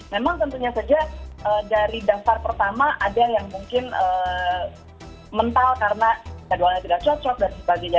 memang tentunya saja dari daftar pertama ada yang mungkin mental karena jadwalnya tidak cocok dan sebagainya